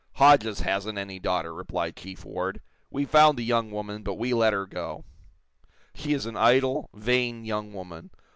"Hodges hasn't any daughter," replied Chief Ward. "We found the young woman, but we let her go. She is an idle, vain young woman.